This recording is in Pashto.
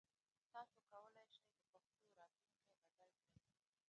تاسو کولای شئ د پښتو راتلونکی بدل کړئ.